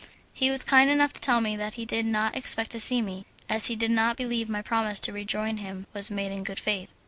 He was kind enough to tell me that he did not expect to see me, as he did not believe my promise to rejoin him was made in good faith.